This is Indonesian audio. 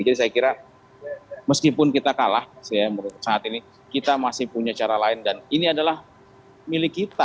jadi saya kira meskipun kita kalah menurut saya saat ini kita masih punya cara lain dan ini adalah milik kita